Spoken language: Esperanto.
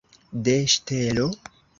De ŝtelo?